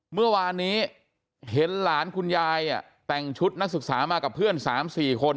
เมื่อวานนี้เห็นหลานคุณยายแต่งชุดนักศึกษามากับเพื่อน๓๔คน